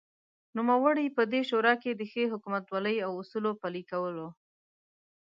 نوموړی په دې شورا کې دښې حکومتولۍ او اصولو پلې کولو